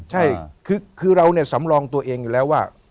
ใช่คือเราเนี่ยสำรองตัวเองอยู่แล้วว่า